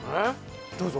どうぞ。